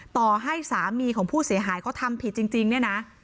ต่อให้สามีของผู้เสียหายเขาทำผิดจริงเนี่ยนะ